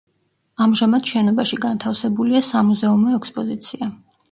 ამჟამად შენობაში განთავსებულია სამუზეუმო ექსპოზიცია.